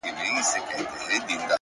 هره ستونزه د حل نوې دروازه ده!.